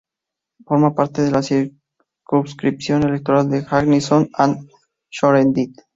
Forma parte de la circunscripción electoral de "Hackney South and Shoreditch".